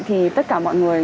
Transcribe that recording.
thì tất cả mọi người